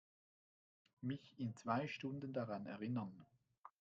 Mich in zwei Stunden daran erinnern.